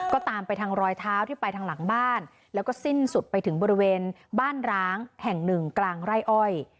ก็ตามไปทางรอยเท้าที่ไปทางหลังบ้านแล้วก็สิ้นสุดไปถึงบริเวณบ้านร้างแห่งหนึ่งกลางไร่อ้อย